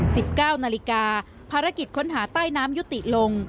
สิบเก้านาฬิกาภารกิจค้นหาใต้น้ำยุติลง